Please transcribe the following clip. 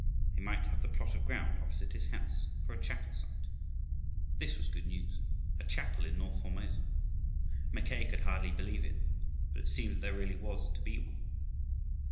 They might have the plot of ground opposite his house for a chapel site. This was grand news. A chapel in north Formosa! Mackay could hardly believe it, but it seemed that there really was to be one.